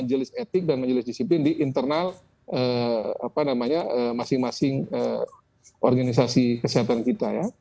jelis etik dan jelis disiplin di internal masing masing organisasi kesehatan kita